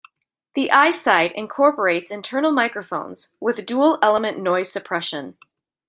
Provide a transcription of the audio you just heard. The iSight incorporates internal microphones with dual-element noise suppression.